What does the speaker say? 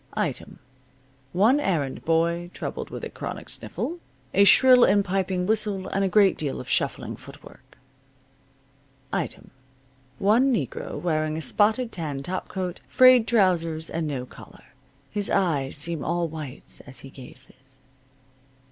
Item: One errand boy troubled with a chronic sniffle, a shrill and piping whistle, and a great deal of shuffling foot work. Item: One negro wearing a spotted tan topcoat, frayed trousers and no collar. His eyes seem all whites as he gazes.